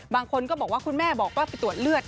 บางคนก็บอกว่าคุณแม่บอกว่าไปตรวจเลือด